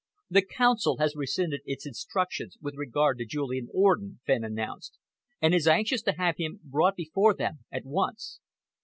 "The Council has rescinded its instructions with regard to Julian Orden," Fenn announced, "and is anxious to have him brought before them at once.